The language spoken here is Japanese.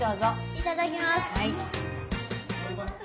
いただきます。